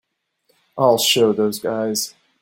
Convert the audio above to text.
I'll show those guys.